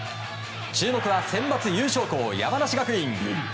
注目はセンバツ優勝校山梨学院。